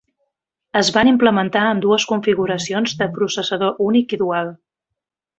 Es van implementar ambdues configuracions de processador únic i dual.